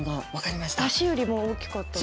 足よりも大きかった？